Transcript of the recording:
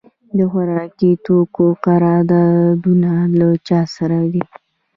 د خوراکي توکو قراردادونه له چا سره دي؟